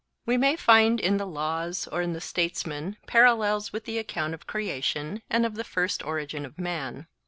We may find in the Laws or in the Statesman parallels with the account of creation and of the first origin of man.